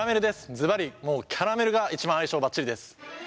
ずばりもうキャラメルが一番相性ばっちりです。